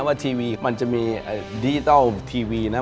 ว่าทีวีมันจะมีดิจิทัลทีวีนะ